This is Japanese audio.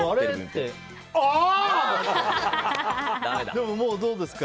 でも、どうですか？